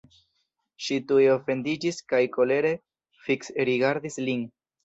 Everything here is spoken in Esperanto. Ŝi tuj ofendiĝis kaj kolere fiksrigardis lin.